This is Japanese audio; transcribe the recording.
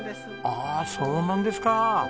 ああそうなんですか！